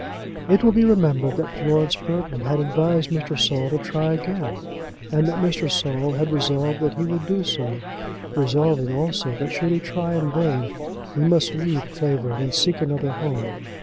It will be remembered that Florence Burton had advised Mr. Saul to try again, and that Mr. Saul had resolved that he would do so, resolving, also, that should he try in vain he must leave Clavering, and seek another home.